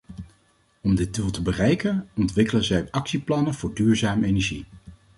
Om dit doel te bereiken, ontwikkelen zij actieplannen voor duurzame energie.